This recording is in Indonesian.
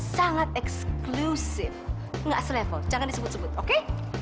sangat eksklusif nggak selevel jangan disebut sebut oke